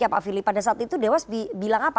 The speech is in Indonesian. yang pak filipa dasar itu dewas bilang apa